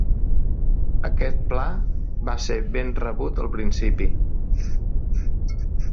Aquest pla va ser ben rebut al principi.